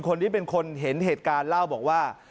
คนที่เป็นคนเห็นเหตุการณ์เล่าบอกว่า